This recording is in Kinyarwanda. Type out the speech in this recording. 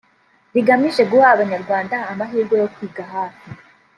rigamije guha Abanyarwanda amahirwe yo kwiga hafi